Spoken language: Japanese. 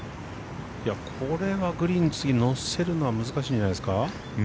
これはグリーンに乗せるのは難しいんじゃないですか。